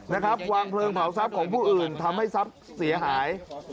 นะครับวางเพลิงเผาทรัพย์ของผู้อื่นทำให้ทรัพย์เสียหาย